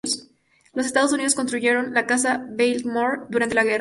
Los Estados Unidos construyeron la clase "Baltimore" durante la guerra.